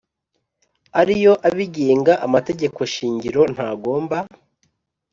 ariyo abigenga Amategeko shingiro ntagomba